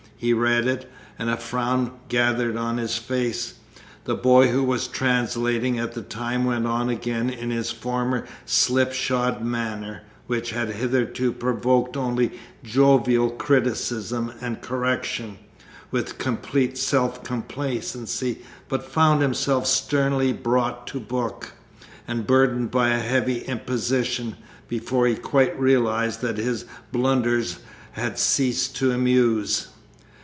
He read it, and a frown gathered on his face. The boy who was translating at the time went on again in his former slipshod manner (which had hitherto provoked only jovial criticism and correction) with complete self complacency, but found himself sternly brought to book, and burdened by a heavy imposition, before he quite realised that his blunders had ceased to amuse.